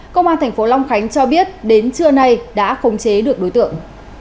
công an thành phố long khánh cho biết đến trưa nay đã khống chế được đối tượng